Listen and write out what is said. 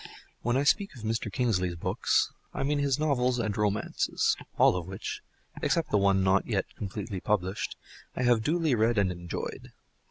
When I speak of Mr. Kingsley's books, I mean his novels and romances, all of which (except the one not yet completely published) I have duly read and enjoyed.